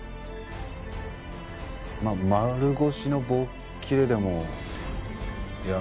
まあ丸腰の棒っきれでもいや。